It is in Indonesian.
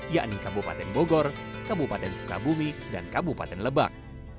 yakni kabupaten bogor kabupaten sukabumi dan kabupaten lebak